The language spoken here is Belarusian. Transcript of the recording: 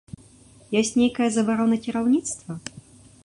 Ёсць нейкая забарона кіраўніцтва?